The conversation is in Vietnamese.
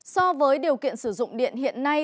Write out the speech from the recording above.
so với điều kiện sử dụng điện hiện nay